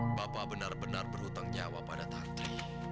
bapak benar benar berhutang nyawa pada tantri